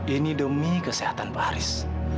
ini demi kesehatan pak haris